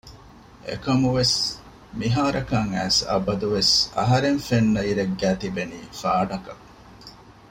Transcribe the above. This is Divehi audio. އެކަމުވެސް މިހާރަކަށް އައިސް އަބަދު ވެސް އަހަރެން ފެންނަ އިރެއްގައި ތިބެނީ ފާޑަކަށް